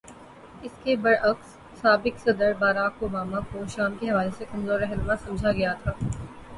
اس کے برعکس، سابق صدر بارک اوباما کو شام کے حوالے سے کمزور رہنما سمجھا گیا تھا۔